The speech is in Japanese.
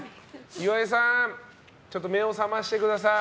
岩井さん、目を覚ましてください。